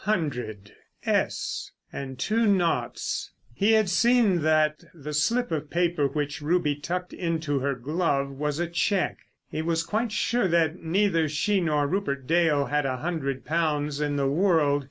"Hundred," "s," and two naughts. He had seen that the slip of paper which Ruby tucked into her glove was a cheque. He was quite sure that neither she nor Rupert Dale had a hundred pounds in the world.